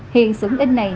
hiện xưởng in này